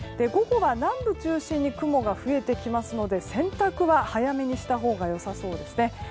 午後は南部中心に雲が増えてきますので洗濯は早めにしたほうが良さそうです。